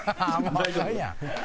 大丈夫？